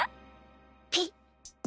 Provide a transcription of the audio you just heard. ピッ。